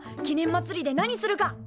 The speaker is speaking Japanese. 記念まつりで何するか！